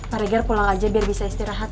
pak reger pulang aja biar bisa istirahat